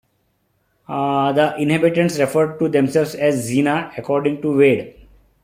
The inhabitants referred to themselves as "Zina" according to Wade.